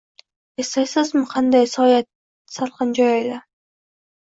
Eslaysizmi, qanday soya-salqin joy edi!